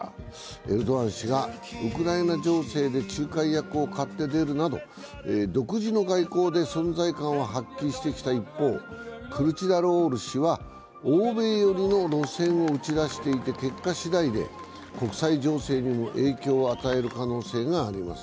エルドアン氏がウクライナ情勢で仲介役を買って出るなど独自の外交で存在感を発揮してきた一方、クルチダルオール氏は欧米寄りの路線を打ち出していて結果しだいで、国際情勢にも影響を与える可能性があります。